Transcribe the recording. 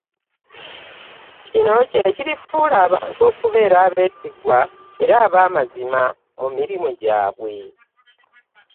Kino kye kirifuula abantu okubeera abeesigwa era ab'amazima mu mirimu gyabwe.